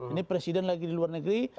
ini presiden lagi di luar negeri